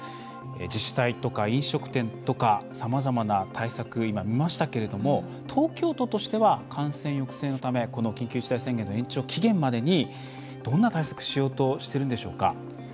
自治体とか飲食店とかさまざまな対策を今見ましたが東京都としては感染抑制のため緊急事態宣言の延長期限までにどんな対策しようとしているんでしょうか？